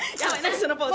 そのポーズ。